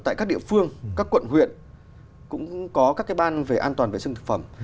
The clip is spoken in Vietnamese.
tại các địa phương các quận huyện cũng có các cái ban về an toàn vệ sinh thực phẩm